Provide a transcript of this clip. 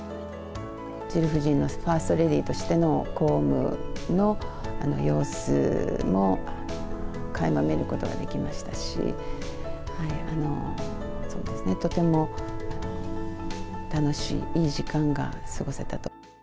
ジル夫人のファーストレディーとしての公務の様子もかいま見ることができましたし、そうですね、とても楽しい、いい時間が過ごせたと。